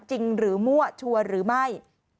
จริงหรือมั่วชัวร์หรือไม่